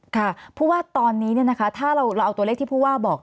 ค่ะเพราะว่าตอนนี้ถ้าเราเอาตัวเลขที่ผู้ว่าบอก